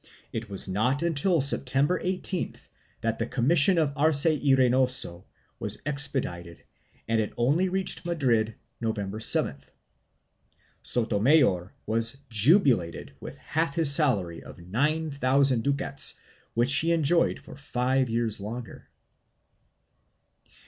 It was not until September 18th that the commission of Arce y Reynoso was expedited and it only reached Madrid November 7th. Sotornayor was "jubilated" with half his salary of nine thousand ducats, which he enjoyed for five years longer.